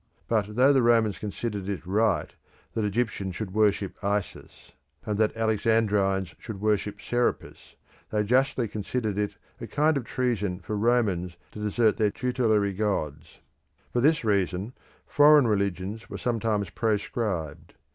But though the Romans considered it right that Egyptians should worship Isis, and that Alexandrines should worship Serapis, they justly considered it a kind of treason for Romans to desert their tutelary gods. For this reason, foreign religions were sometimes proscribed.